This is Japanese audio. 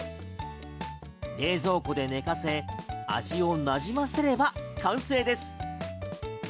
冷蔵庫で寝かせ味をなじませれば完成です。